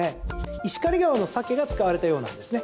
石狩川のサケが使われたようなんですね。